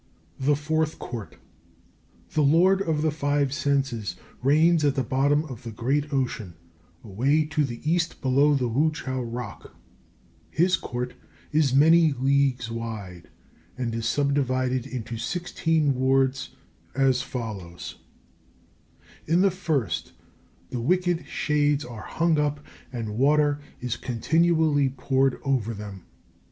THE FOURTH COURT. The Lord of the Five Senses reigns at the bottom of the great Ocean, away to the east below the Wu chiao rock. His Court is many leagues wide, and is subdivided into sixteen wards, as follows: In the first, the wicked shades are hung up and water is continually poured over them.